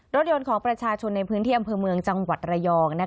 รถยนต์ของประชาชนในพื้นที่อำเภอเมืองจังหวัดระยอง